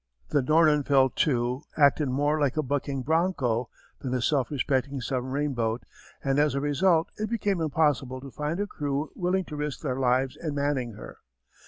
The Nordenfeldt II. acted more like a bucking bronco than a self respecting submarine boat and as a result it became impossible to find a crew willing to risk their lives in manning her.